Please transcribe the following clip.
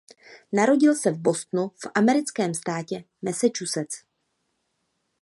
Narodil se v Bostonu v americkém státě Massachusetts.